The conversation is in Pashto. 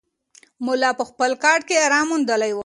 ملا په خپل کټ کې ارام موندلی و.